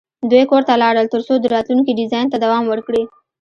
دوی کور ته لاړل ترڅو د راتلونکي ډیزاین ته دوام ورکړي